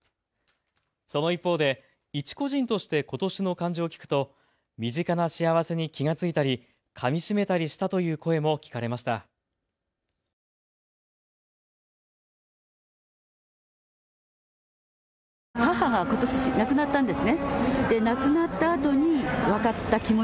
その一方で一個人としてことしの漢字を聞くと身近な幸せに気が付いたりかみしめたりしたという声も聞かれました。